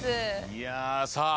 いやさあ